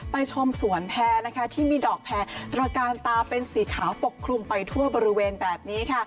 ชมสวนแพรที่มีดอกแพรตระกาลตาเป็นสีขาวปกคลุมไปทั่วบริเวณแบบนี้ค่ะ